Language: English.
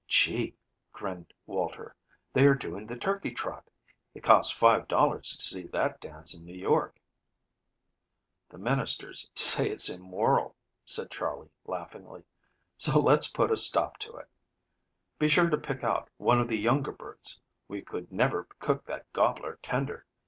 "Gee!" grinned Walter. "They are doing the 'turkey trot.' It costs five dollars to see that dance in New York." "The ministers say it's immoral," said Charley laughingly, "so let's put a stop to it. Be sure to pick out one of the younger birds. We never could cook that gobbler tender.